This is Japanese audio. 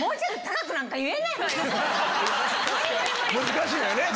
難しいのよね。